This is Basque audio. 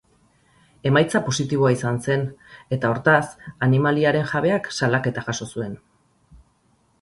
Emaitza positiboa izan zen eta, hortaz, animaliaren jabeak salaketa jaso zuen.